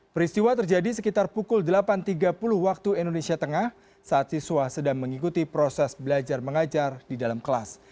peristiwa terjadi sekitar pukul delapan tiga puluh waktu indonesia tengah saat siswa sedang mengikuti proses belajar mengajar di dalam kelas